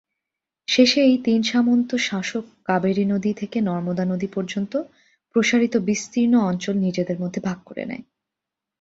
শেষে এই তিন সামন্ত শাসক কাবেরী নদী থেকে নর্মদা নদী পর্যন্ত প্রসারিত বিস্তীর্ণ অঞ্চল নিজেদের মধ্যে ভাগ করে নেয়।